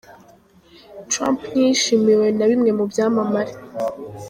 Trump ntiyishimiwe na bimwe mu byamamare.